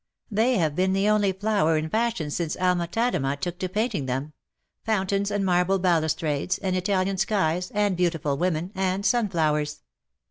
" They have been the only flower in fashion since Alma Tadema took to painting them — fountains, and marble balustrades, and Italian skies, and beautiful women, and sun flowers.